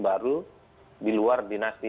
baru di luar dinasti